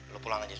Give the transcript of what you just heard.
lu pulang aja